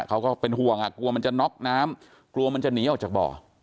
เขาก็เป็นห่วงอ่ะกลัวมันจะน็อกน้ำกลัวมันจะหนีออกจากบ่อ